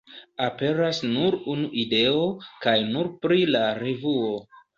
Aperas nur unu ideo, kaj nur pri la revuo.